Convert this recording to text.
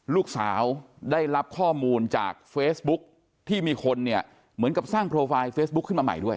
ลูกสาวได้รับข้อมูลจากเฟซบุ๊คที่มีคนเนี่ยเหมือนกับสร้างโปรไฟล์เฟซบุ๊คขึ้นมาใหม่ด้วย